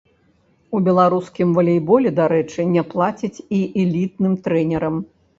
У беларускім валейболе, дарэчы, не плацяць і элітным трэнерам.